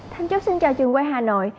thanh chúc xin chào trường quay hà nội